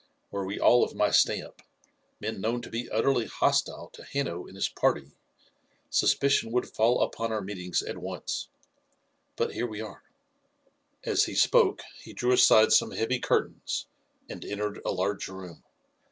Were we all of my stamp, men known to be utterly hostile to Hanno and his party, suspicion would fall upon our meetings at once. But here we are." As he spoke he drew aside some heavy curtains and entered a large room.